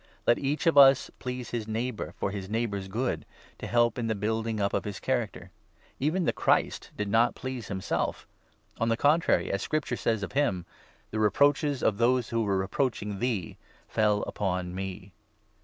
Let each of us please his neighbour 2 for his neighbour's good, to help in the building up of his character. Even the Christ did not please himself ! On the 3 contrary, as Scripture says of him —' The reproaches of those who were reproaching1 thee fell upon me.'